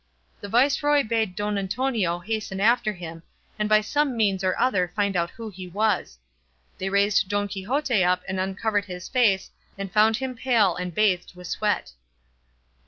The viceroy bade Don Antonio hasten after him, and by some means or other find out who he was. They raised Don Quixote up and uncovered his face, and found him pale and bathed with sweat.